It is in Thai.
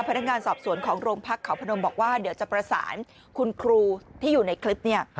พนักงานสอบสวนของโรงพักเขาพนมบอกว่าเดี๋ยวจะประสานคุณครูที่อยู่ในคลิปเนี่ย